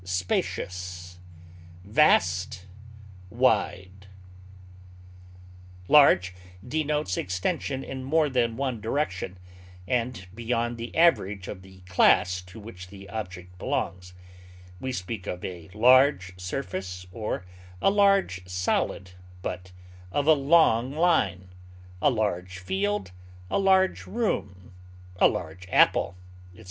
capacious, extensive, Large denotes extension in more than one direction, and beyond the average of the class to which the object belongs; we speak of a large surface or a large solid, but of a long line; a large field, a large room, a large apple, etc.